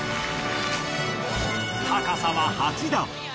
高さは８段！